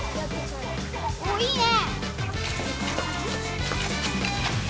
おいいね！